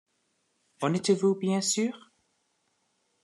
En êtes-vous bien sûrs?...